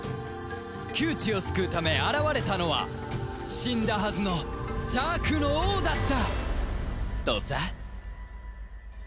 窮地を救うため現れたのは死んだはずの邪悪の王だったとさ